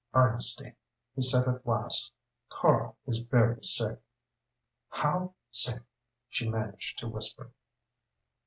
"Ernestine," he said at last, "Karl is very sick." "How sick?" she managed to whisper.